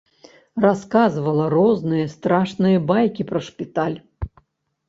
Расказвала розныя страшныя байкі пра шпіталь.